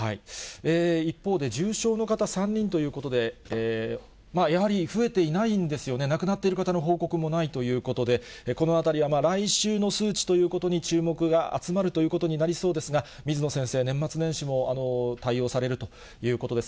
一方で、重症の方３人ということで、やはり増えていないんですよね、亡くなっている方の報告もないということで、このあたりは来週の数値ということに注目が集まるということになりそうですが、水野先生、年末年始も対応されるということです。